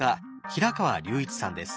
平川隆一さんです。